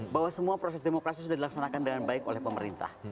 bahwa semua proses demokrasi sudah dilaksanakan dengan baik oleh pemerintah